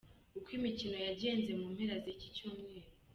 Uko imikino yagenze mu mpera z’iki cyumweru.